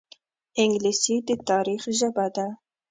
انګلیسي د تاریخ ژبه ده